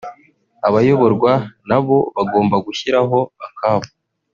Abayoborwa na bo bagomba gushyiraho akabo